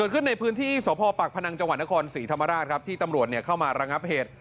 คนที่สปพนังจนครศรีธรรมราชที่ตำรวจเข้ามารังับเหตุ